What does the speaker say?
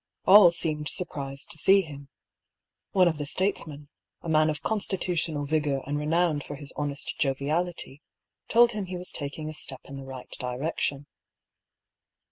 All seemed surprised to see him. One of the statesmen, a man of constitutional vigour and renowned for his honest joviality, told him he was taking a step in the right direction.